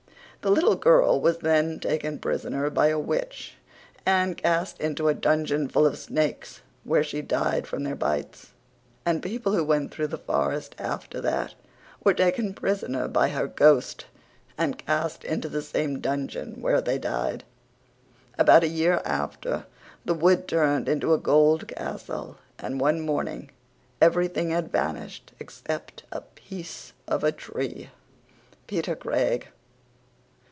The little girl was then taken prisoner by a witch and cast into a dunjun full of snakes where she died from their bites and people who went through the forrest after that were taken prisoner by her ghost and cast into the same dunjun where they died. About a year after the wood turned into a gold castle and one morning everything had vanished except a piece of a tree. PETER CRAIG.